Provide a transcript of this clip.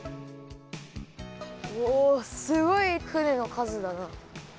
おすごい船のかずだな。